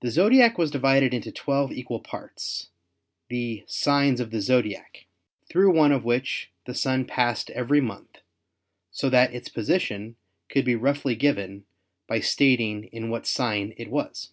The Zodiac was divided into twelve equal parts, the "signs of the Zodiac," through one of which the Sun passed every month, so that its position could be roughly given by stat ing in what sign it was.